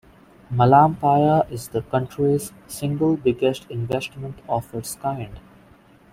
Malampaya is the country's single biggest investment of its kind.